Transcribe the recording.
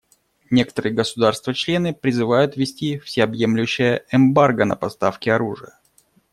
Некоторые государства-члены призывают ввести всеобъемлющее эмбарго на поставки оружия.